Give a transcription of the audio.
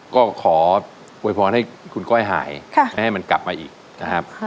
ก็ขอโวยพรให้คุณก้อยหายไม่ให้มันกลับมาอีกนะครับ